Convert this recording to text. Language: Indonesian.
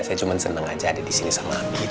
saya cuma seneng aja ada disini sama abi